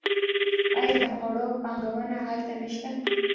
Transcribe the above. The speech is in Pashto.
آیا د خوړو بانکونه هلته نشته؟